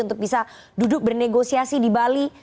untuk bisa duduk bernegosiasi di bali